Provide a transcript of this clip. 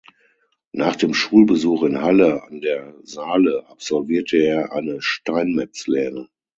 Nach dem Schulbesuch in Halle an der Saale, absolvierte er eine Steinmetzlehre.